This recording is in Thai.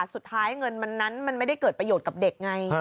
สุดท้ายเงินมันนั้นมันไม่ได้เกิดประโยชน์กับเด็กไง